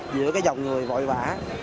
giữa dòng người vội vã